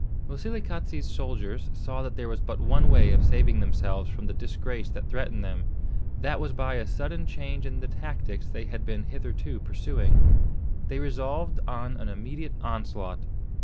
Moselekatse's soldiers saw that there was but one way of saving themselves from the disgrace that threatened them; that was by a sudden change in the tactics they had been hitherto pursuing. They resolved on an immediate onslaught.